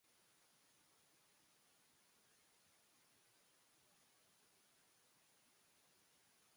It was up to the Captain to ask for gear retraction.